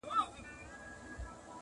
تاریخي کیسې خلک الهاموي